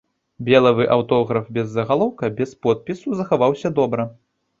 Белавы аўтограф без загалоўка, без подпісу, захаваўся добра.